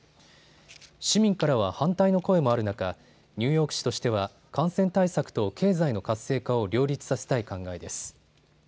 市民からは反対の声もある中、ニューヨーク市としては感染対策と経済の活性化を両立させたい考えです。